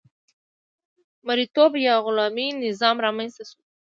مرئیتوب یا غلامي نظام رامنځته شو.